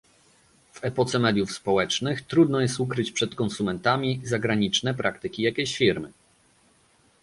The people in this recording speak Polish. W epoce mediów społecznych trudno jest ukryć przed konsumentami zagraniczne praktyki jakiejś firmy